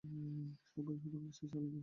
সবাই সুড়ঙ্গের শেষে আলো দেখতে চায়।